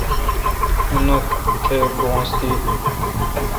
اونتھ تہ بوس تی۔